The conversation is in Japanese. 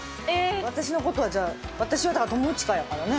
私のことは、じゃあ、私はだから友近やからね。